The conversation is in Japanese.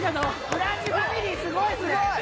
ブランチファミリーすごいすごい！